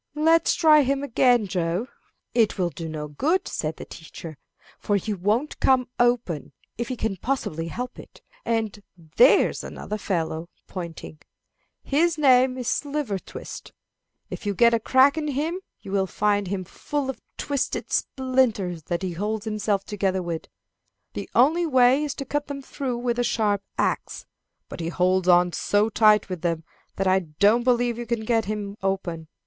"Let's try him again, Joe." "It will do no good," said the teacher, "for he won't come open, if he can possibly help it. And there's another fellow (pointing). His name is Slivertwist. If you get a crack in him, you will find him full of twisted splinters that he holds himself together with. The only way is to cut them through with a sharp axe. But he holds on so tight with them that I don't believe you can get him open.